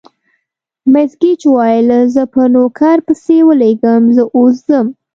مس ګېج وویل: زه به نوکر پسې ولېږم، زه اوس ځم.